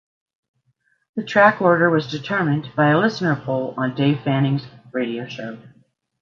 The track order was determined by a listener poll on Dave Fanning's radio show.